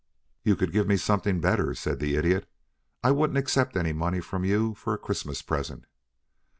"You could give me something better," said the Idiot. "I wouldn't accept any money from you for a Christmas present."